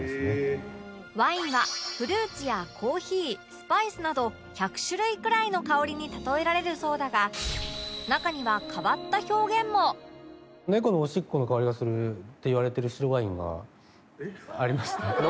ワインはフルーツやコーヒースパイスなど１００種類くらいの香りに例えられるそうだが中にはネコのおしっこの香りがするっていわれてる白ワインがありますね。